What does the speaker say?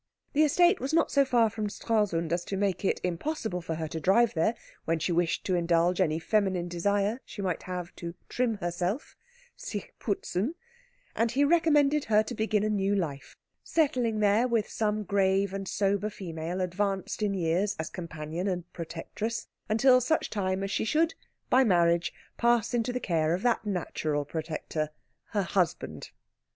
The estate was not so far from Stralsund as to make it impossible for her to drive there when she wished to indulge any feminine desire she might have to trim herself (sich putzen), and he recommended her to begin a new life, settling there with some grave and sober female advanced in years as companion and protectress, until such time as she should, by marriage, pass into the care of that natural protector, her husband.